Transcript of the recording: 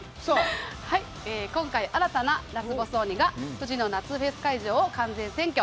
今回新たなラスボス鬼が富士の夏フェス会場を完全占拠